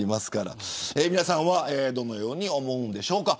皆さんはどのように思うんでしょうか。